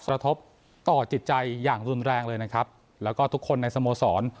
กระทบต่อจิตใจอย่างรุนแรงเลยนะครับแล้วก็ทุกคนในสโมสร